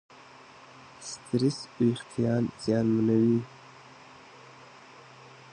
سټرېس وېښتيان زیانمنوي.